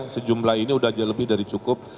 sejumlah ini udah aja lebih dari cukup